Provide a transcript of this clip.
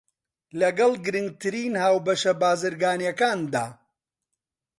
لەگەڵ گرنگترین هاوبەشە بازرگانییەکانیدا